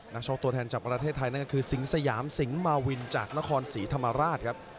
นักชกตัวแทนจากประเทศไทยนั่นก็คือสิงสยามสิงหมาวินจากนครศรีธรรมราชครับ